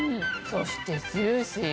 そしてジューシー。